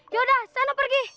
yaudah sana pergi